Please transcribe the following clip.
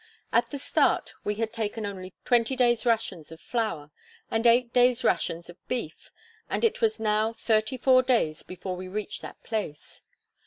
At the start we had taken only twenty days' rations of flour, and eight days' rations of beef; and it was now thirty four days before we reached that place.